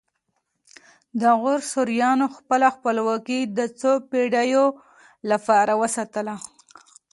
د غور سوریانو خپله خپلواکي د څو پیړیو لپاره وساتله